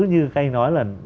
như anh nói là